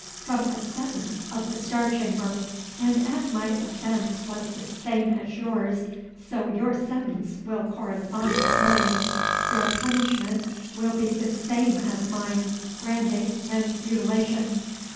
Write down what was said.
From a sentence of the Star Chamber. And as my offence was the same as yours, so your sentence will correspond with mine. Your punishment will be the same as mine branding and mutilation.